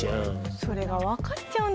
それが分かっちゃうんだな。